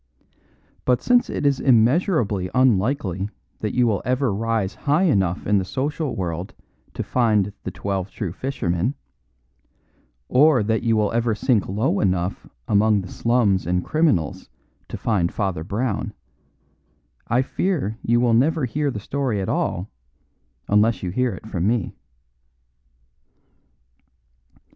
But since it is immeasurably unlikely that you will ever rise high enough in the social world to find "The Twelve True Fishermen," or that you will ever sink low enough among slums and criminals to find Father Brown, I fear you will never hear the story at all unless you hear it from me.